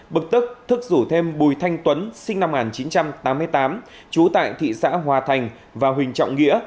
bực tức rủ thêm bùi thanh tuấn sinh năm một nghìn chín trăm tám mươi tám trú tại thị xã hòa thành và huỳnh trọng nghĩa